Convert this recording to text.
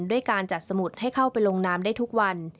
ด้วยการจัดสมุดให้เข้าไปลงน้ำได้ทุกวัน